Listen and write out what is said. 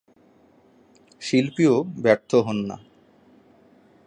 শিল্পীও ব্যর্থ হন না।